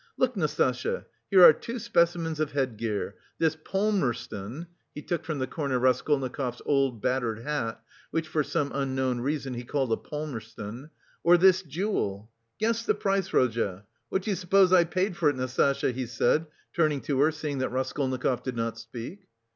Look, Nastasya, here are two specimens of headgear: this Palmerston" he took from the corner Raskolnikov's old, battered hat, which for some unknown reason, he called a Palmerston "or this jewel! Guess the price, Rodya, what do you suppose I paid for it, Nastasya!" he said, turning to her, seeing that Raskolnikov did not speak.